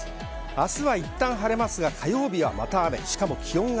明日はいったん晴れますが、火曜日はまた雨。